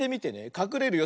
かくれるよ。